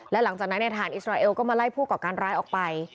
และหลังจากนั้นในทหารอิสราเอลก็มาไล่ผู้ก่อการร้ายออกไป